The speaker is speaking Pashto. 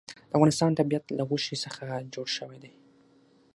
د افغانستان طبیعت له غوښې څخه جوړ شوی دی.